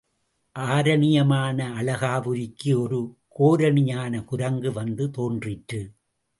ஆரணியமான அழகாபுரிக்கு ஒரு கோரணியான குரங்கு வந்து தோன்றிற்று.